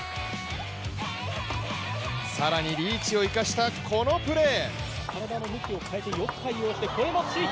更にリーチを生かしたこのプレー。